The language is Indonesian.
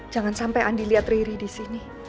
jangan sampai andi lihat riri di sini